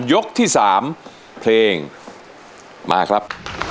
ยกที่๓เพลงมาครับ